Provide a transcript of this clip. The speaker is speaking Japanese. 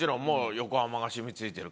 「横浜が染み付いてる」？